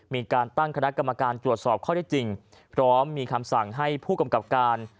มีการตั้งคณะกรรมการตรวจสอบข้อได้จริงพร้อมมีคำสั่งให้ผู้กำกับการ